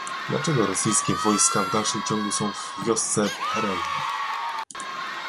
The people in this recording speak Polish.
dlaczego rosyjskie wojska w dalszym ciągu są w wiosce Perewi?